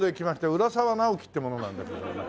浦沢直樹って者なんだけれども。